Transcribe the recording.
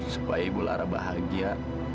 supaya ibu lara bahagia